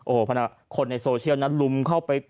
โอ้โหคนในโซเชียลนั้นลุมเข้าไป